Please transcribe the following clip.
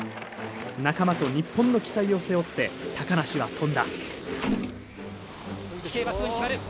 仲間と日本の期待を背負って高梨は飛んだ。